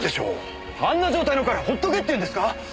あんな状態の彼放っとけって言うんですか？